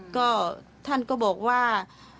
ก็ท่านก็บอกว่า